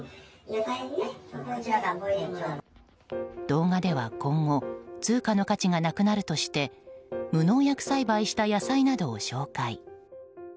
動画では今後通貨の価値がなくなるとして無農薬栽培した野菜などを紹介。